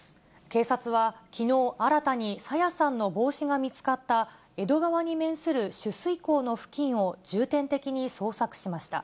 警察はきのう、新たに朝芽さんの帽子が見つかった、江戸川に面する取水口の付近を重点的に捜索しました。